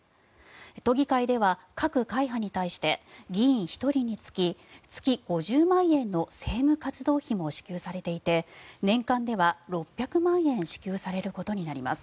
都議会では各会派に対して議員１人につき月５０万円の政務活動費も支給されていて年間では６００万円支給されることになります。